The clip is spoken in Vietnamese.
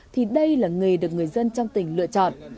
thì đây là nghề được người dân trong tỉnh lựa chọn